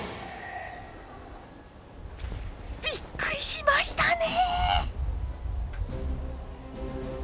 びっくりしましたね。